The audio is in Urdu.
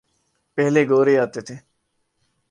پہلے گورے آتے تھے۔